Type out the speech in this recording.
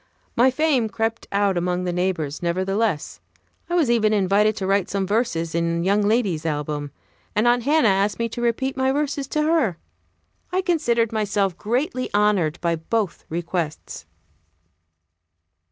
My fame crept out among the neighbors, nevertheless. I was even invited to write some verses in young lady's album; and Aunt Hannah asked me to repeat my verses to her. I considered myself greatly honored by both requests.